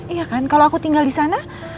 iya kan kalau aku tinggal di sana